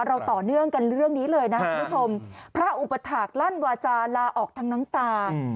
ต่อเนื่องกันเรื่องนี้เลยนะคุณผู้ชมพระอุปถาคลั่นวาจาลาออกทั้งน้ำตา